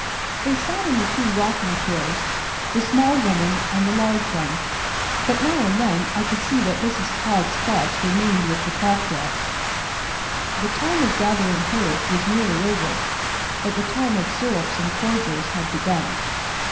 They sat in the two rocking chairs, the small woman and the large one, but now and then I could see that Mrs. Todd's thoughts remained with the cough drops. The time of gathering herbs was nearly over, but the time of syrups and cordials had begun.